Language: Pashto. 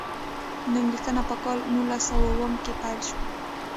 نوم لیکنه په کال نولس سوه اووم کې پیل شوه.